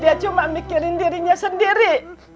dia cuma mikirin dirinya sendiri